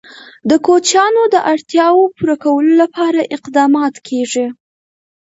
د کوچیانو د اړتیاوو پوره کولو لپاره اقدامات کېږي.